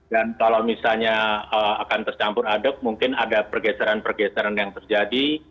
dan kalau misalnya akan tercampur aduk mungkin ada pergeseran pergeseran yang terjadi